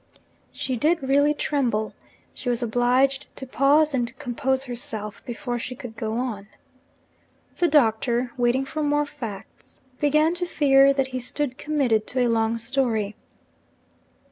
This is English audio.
She did really tremble she was obliged to pause and compose herself, before she could go on. The Doctor, waiting for more facts, began to fear that he stood committed to a long story.